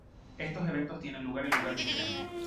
Estos eventos tiene lugar en lugares diferentes.